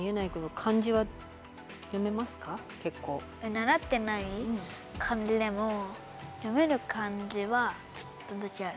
習ってない漢字でも読める漢字はちょっとだけある。